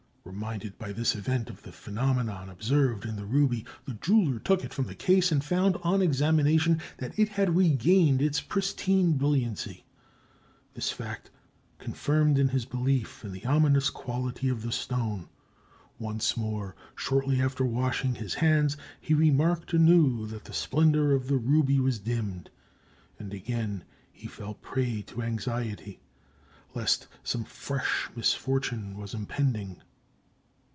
Reminded by this event of the phenomenon observed in the ruby, the jeweller took it from the case and found, on examination, that it had regained its pristine brilliancy. This fact confirmed him in his belief in the ominous quality of the stone. Once more, shortly after washing his hands, he remarked anew that the splendor of the ruby was dimmed, and he again fell a prey to anxiety, lest some fresh misfortune was impending.